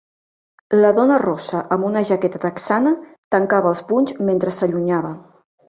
La dona rossa amb una jaqueta texana tancava els punys mentre s'allunyava.